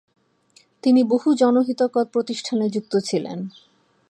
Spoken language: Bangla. তিনি বহু জনহিতকর প্রতিষ্ঠানে যুক্ত ছিলেন।